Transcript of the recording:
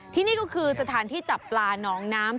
ที่นี่ก็คือสถานที่จับปลาหนองน้ำ